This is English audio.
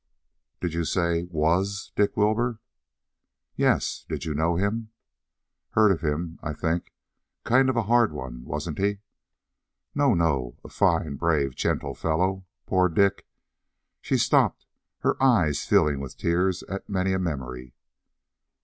"Did you say 'was' Dick Wilbur?" "Yes. Did you know him?" "Heard of him, I think. Kind of a hard one, wasn't he?" "No, no! A fine, brave, gentle fellow poor Dick!" She stopped, her eyes filling with tears at many a memory.